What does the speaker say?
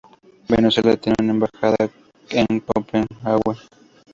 Venezuela tiene una embajada en Copenhague.